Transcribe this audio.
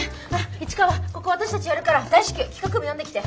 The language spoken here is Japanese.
市川ここ私たちやるから大至急企画部呼んできて。